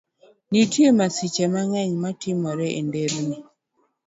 Nitie masiche mang'eny matimore e nderni.